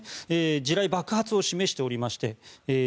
地雷爆発を示しております